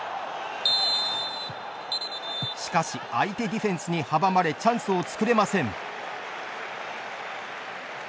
しかし相手ディフェンスに阻まれチャンスを作れません。